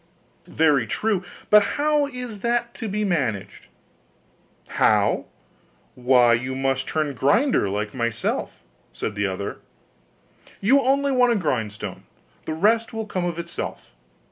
'Very true: but how is that to be managed?' 'How? Why, you must turn grinder like myself,' said the other; 'you only want a grindstone; the rest will come of itself.